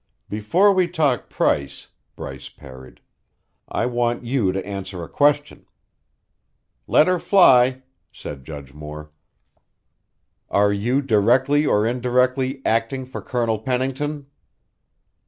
"Before we talk price," Bryce parried, "I want you to answer a question." "Let her fly," said Judge Moore. "Are you, directly or indirectly, acting for Colonel Pennington?"